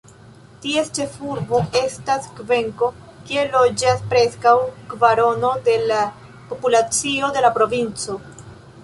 Ties ĉefurbo estas Kvenko, kie loĝas preskaŭ kvarono de la populacio de la provinco.